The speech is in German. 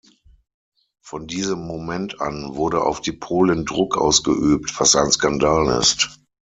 Von diesem Moment an wurde auf die Polen Druck ausgeübt, was ein Skandal ist.